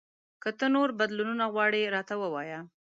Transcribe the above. که ته نور بدلونونه غواړې، راته ووایه !